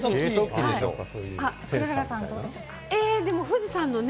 知花さんはどうでしょうか？